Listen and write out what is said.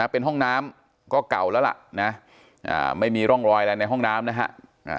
เป็นห้องน้ำก็เก่าแล้วล่ะนะไม่มีร่องรอยอะไรในห้องน้ำนะฮะ